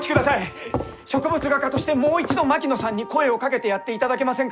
植物画家としてもう一度槙野さんに声をかけてやっていただけませんか？